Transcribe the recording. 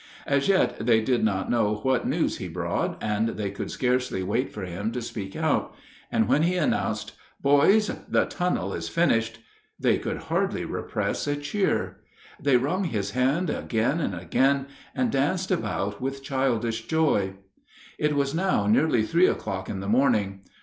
As yet they did not know what news he brought, and they could scarcely wait for him to speak out; and when he announced, "Boys, the tunnel is finished," they could hardly repress a cheer. They wrung his hand again and again, and danced about with childish joy. It was now nearly three o'clock in the morning.